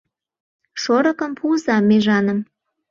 Шорыкым пуыза межаным.